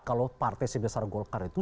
kalau partai sebesar golkar itu